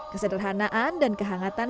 kesederhanaan dan kehangatan